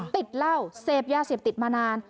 ติดไล่เซปยาเซปติดมานาน